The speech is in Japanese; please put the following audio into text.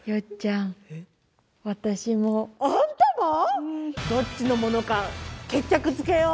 うんどっちのものか決着つけよう